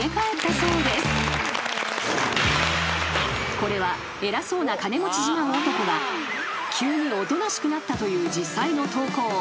［これは偉そうな金持ち自慢男が急におとなしくなったという実際の投稿］